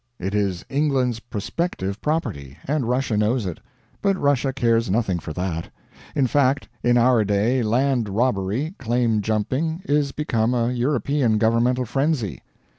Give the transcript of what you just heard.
It is England's prospective property, and Russia knows it; but Russia cares nothing for that. In fact, in our day land robbery, claim jumping, is become a European governmental frenzy.